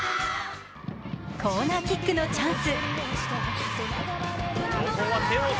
コーナーキックのチャンス。